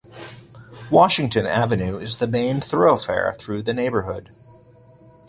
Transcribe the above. Washington Avenue is the main thoroughfare through the neighborhood.